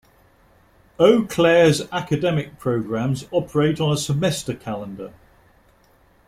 Eau Claire's academic programs operate on a semester calendar.